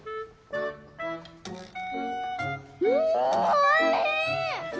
んおいしい！